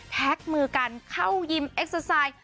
มือกันเข้ายิมเอ็กเตอร์ไซด์